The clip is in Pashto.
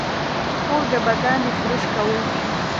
خوب د بدن ریفریش کول دي